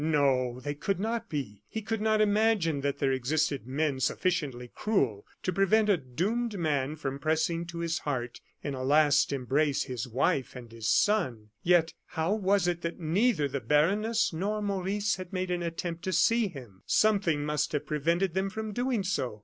No, they could not be; he could not imagine that there existed men sufficiently cruel to prevent a doomed man from pressing to his heart, in a last embrace, his wife and his son. Yet, how was it that neither the baroness nor Maurice had made an attempt to see him! Something must have prevented them from doing so.